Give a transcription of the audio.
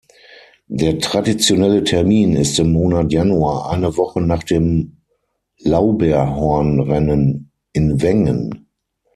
Der traditionelle Termin ist im Monat Januar, eine Woche nach dem Lauberhornrennen in Wengen.